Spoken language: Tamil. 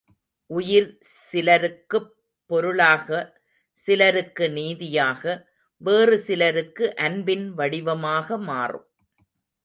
உயிர் சிலருக்குப் பொருளாக சிலருக்கு நீதியாக வேறு சிலருக்கு அன்பின் வடிவமாக மாறும்.